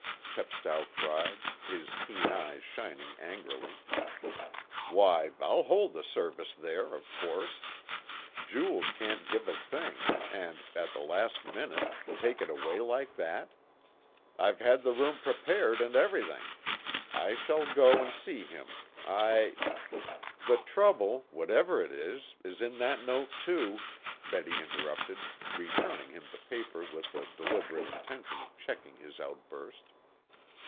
Chepstow cried, his keen eyes shining angrily. "Why, I'll hold service there, of course. Jules can't give a thing, and, at the last minute, take it away like that. I've had the room prepared and everything. I shall go and see him. I " "The trouble whatever it is is in that note, too," Betty interrupted, returning him the paper with the deliberate intention of checking his outburst.